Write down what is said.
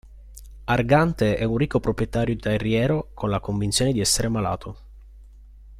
Argante è un ricco proprietario terriero con la convinzione di essere malato.